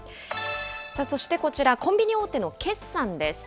そしてこちら、コンビニ大手の決算です。